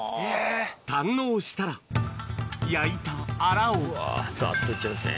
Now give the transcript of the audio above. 堪能したら焼いたアラをガッといっちゃいますね。